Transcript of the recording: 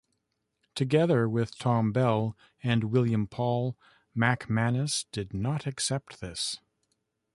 Together with Tom Bell and William Paul, MacManus did not accept this.